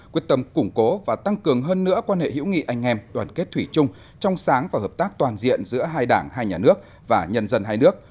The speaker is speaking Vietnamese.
quyết tâm củng cố và tăng cường hơn nữa quan hệ hữu nghị anh em đoàn kết thủy chung trong sáng và hợp tác toàn diện giữa hai đảng hai nhà nước và nhân dân hai nước